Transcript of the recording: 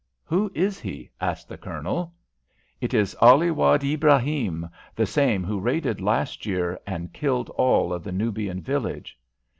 "Who is he?" asked the Colonel. "It is Ali Wad Ibrahim, the same who raided last year, and killed all of the Nubian village."